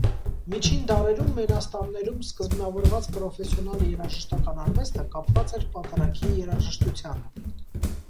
Միջին դարերում մենաստաններում սկզբնավորված պրոֆեսիոնալ երաժշտական արվեստը կապված էր պատարագի երաժշտությանը։